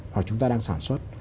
hoặc chúng ta đang sản xuất